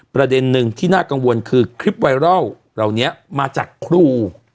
ประเด็นหนึ่งที่น่ากังวลคือคลิปไวรัลเหล่านี้มาจากครู